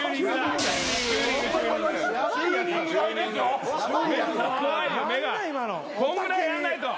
こんぐらいやんないと。